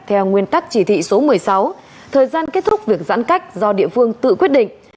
theo nguyên tắc chỉ thị số một mươi sáu thời gian kết thúc việc giãn cách do địa phương tự quyết định